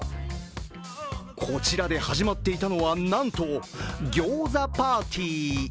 こちらで始まっていたのは、なんと餃子パーティー。